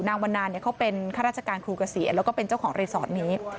วันนานเขาเป็นข้าราชการครูเกษียณแล้วก็เป็นเจ้าของรีสอร์ทนี้